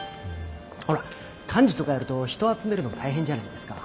ほら幹事とかやると人を集めるの大変じゃないですか。